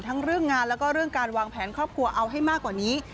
ทั้งเรื่องงานแล้วก็เรื่องการวางแผนครอบครัวเอาให้มากกว่านี้